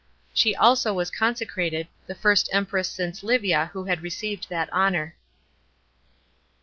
She also was consecrated, the first Empress since Livia who had received that honour.